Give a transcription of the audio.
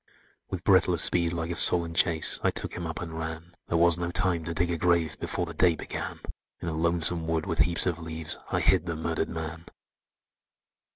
"With breathless speed, like a soul in chase, I took him up and ran; There was no time to dig a grave Before the day began: In a lonesome wood, with heaps of leaves, I hid the murdered man!